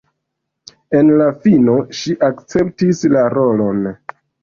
En la fino ŝi akceptis la rolon.